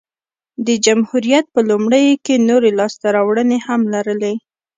د جمهوریت په لومړیو کې نورې لاسته راوړنې هم لرلې